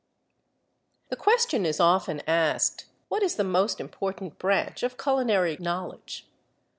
THE question is often asked, "What is the most important branch of culinary knowledge?